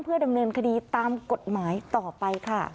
ดำเนินคดีตามกฎหมายต่อไปค่ะ